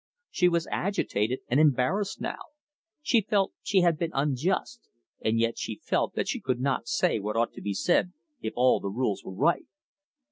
She was agitated and embarrassed now. She felt she had been unjust, and yet she felt that she could not say what ought to be said, if all the rules were right.